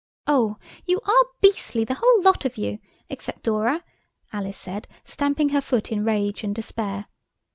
"Oh, you are beastly, the whole lot of you, except Dora!" Alice said, stamping her foot in rage and despair.